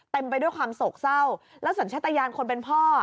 ไปด้วยความโศกเศร้าแล้วสัญชาตยานคนเป็นพ่อ